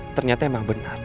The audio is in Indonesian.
ternyata emang benar